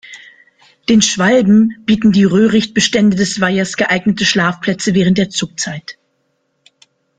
Den Schwalben bieten die Röhrichtbestände des Weihers geeignete Schlafplätze während der Zugzeit.